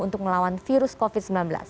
untuk melawan virus covid sembilan belas